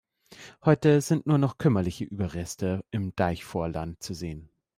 Heute sind nur noch kümmerliche Überreste im Deichvorland zu sehen.